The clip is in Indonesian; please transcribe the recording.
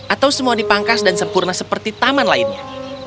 atau semua dipangkas dan sempurna seperti taman lainnya